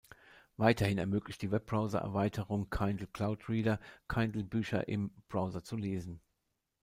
Weiterhin ermöglicht die Webbrowser-Erweiterung "Kindle Cloud Reader" Kindle-Bücher im Browser zu lesen.